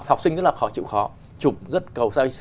học sinh rất là khó chịu khó